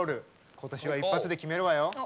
ことしは一発で決めるわよ！